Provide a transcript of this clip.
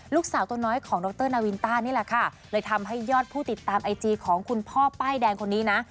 ลูกสาวตัวน้อยของดรนาวินต้านี่แหละค่ะเลยทำให้ยอดผู้ติดตามไอจีของคุณพ่อป้ายแดงคนนี้นะ